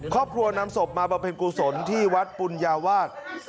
ครอบครัวนำศพมาบำเพ็ญกุศลที่วัดปุญญาวาส